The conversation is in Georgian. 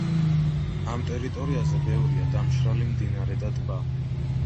ამ ტერიტორიაზე ბევრია დამშრალი მდინარე და ტბა.